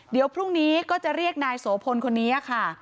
เดี๋ยวพรุ่งนี้ก็จะเรียกนายโสพลคนนี้ค่ะ